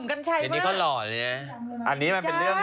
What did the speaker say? อันนี้ก็หล่อเลยเนี่ย